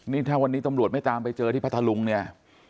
นี่ถ้าวันนี้ตำรวจไม่ตามไปเจอที่พัทธลุงเนี่ย